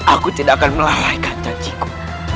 aku tidak akan melalaikan janjiku